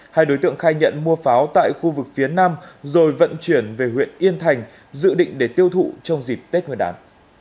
hai đối tượng khai nhận mua pháo tại khu vực phía nam rồi vận chuyển về huyện yên thành dự định để tiêu thụ trong dịp tết nguyên đán